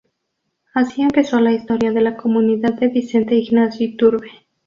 Así empezó la historia de la comunidad de Vicente Ignacio Iturbe.